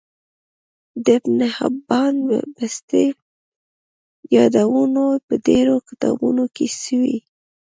د ابن حبان بستي يادونه په ډیرو کتابونو کی سوی